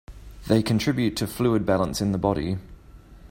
They contribute to fluid balance in the body.